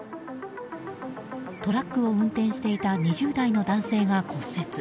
トラックを運転していた２０代の男性が骨折。